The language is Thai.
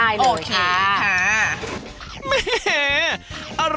ไม่แรง